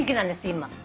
今。